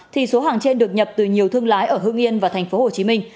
thì số hàng trên được nhập từ nhiều thương lái ở hương yên và thành phố hồ chí minh